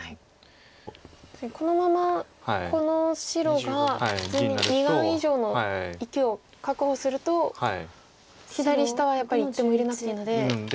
確かにこのままこの白が普通に２眼以上の生きを確保すると左下はやっぱり一手も入れなくていいので大きいですか。